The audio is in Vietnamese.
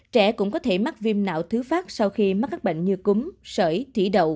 trẻ cũng có thể mắc viêm não thứ phát sau khi mắc các bệnh như cúm sởi thủy đậu